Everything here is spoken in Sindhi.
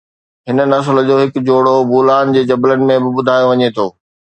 هن نسل جو هڪ جوڙو بولان جي جبلن ۾ به ٻڌايو وڃي ٿو